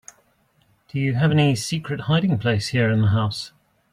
Do you have any secret hiding place here in the house?